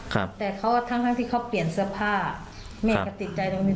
ครับแต่เขาทั้งทั้งที่เขาเปลี่ยนเสื้อผ้าแม่ก็ติดใจตรงนี้